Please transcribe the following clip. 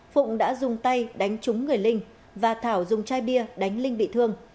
phụng đã dùng tay đánh trúng người linh và thảo dùng chai bia đánh linh bị thương